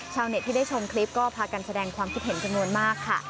ชาวเน็ตที่ได้ชมคลิปก็พากันแสดงความคิดเห็นจำนวนมากค่ะ